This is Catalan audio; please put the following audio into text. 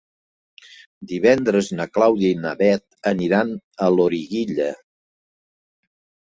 Divendres na Clàudia i na Bet aniran a Loriguilla.